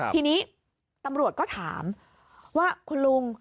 ทีนี้ตำรวจก็ถามว่าคุณลุง